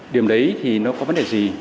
điểm đấy thì nó có vấn đề gì